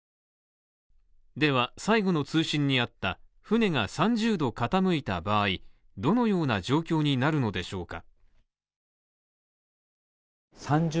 では、最後の通信にあった船が３０度傾いた場合、どのような状況になるのでしょうか？